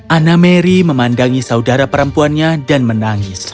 anna mary memandangi saudara perempuannya dan menangis